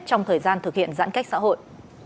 trong thời gian thực hiện giãn cách xã hội